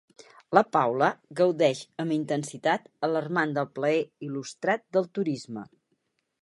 La Paula gaudeix amb intensitat alarmant del plaer il·lustrat del turisme.